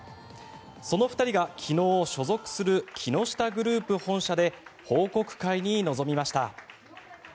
その２人が昨日所属する木下グループ本社で報告会に臨みました。